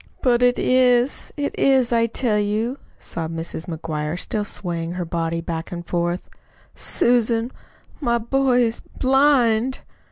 "But it is, it is, I tell you," sobbed Mrs. McGuire still swaying her body back and forth. "Susan, my boy is BLIND."